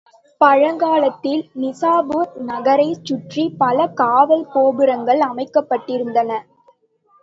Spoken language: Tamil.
பழங்காத்தில் நிசாப்பூர் நகரைச் சுற்றிப் பல காவல் கோபுரங்கள் அமைக்கப்பட்டிருந்தன.